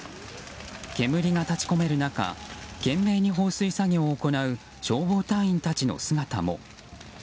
煙が立ち込める中懸命に放水作業を行う消防隊員たちの姿も。